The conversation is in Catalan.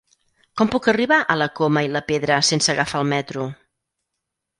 Com puc arribar a la Coma i la Pedra sense agafar el metro?